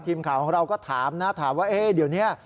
ทีมข่าวของเราก็ถามนะถามว่าเยี่ยมนี่